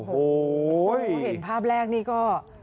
เห็นภาพแรกนี่ก็